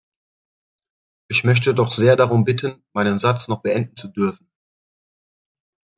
Ich möchte doch sehr darum bitten, meinen Satz noch beenden zu dürfen.